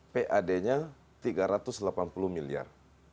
pad nya tiga ratus delapan puluh miliar